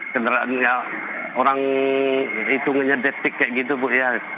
kendaraan orang hitungannya detik kayak gitu bu ya